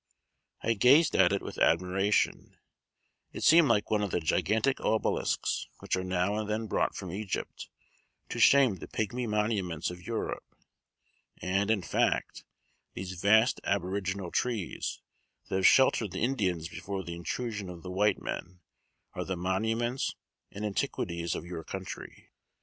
I gazed at it with admiration; it seemed like one of the gigantic obelisks which are now and then brought from Egypt, to shame the pigmy monuments of Europe; and, in fact, these vast aboriginal trees, that have sheltered the Indians before the intrusion of the white men, are the monuments and antiquities of your country."